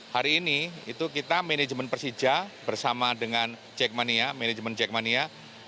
hari ini kita manajemen persija bersama dengan jekmania